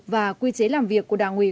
và quy chế làm việc của đảng ủy